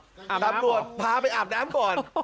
อาบน้ำเหรออาบน้ำเหรอพาไปอาบน้ำก่อน